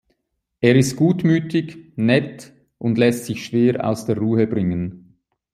Er ist gutmütig, nett und lässt sich schwer aus der Ruhe bringen.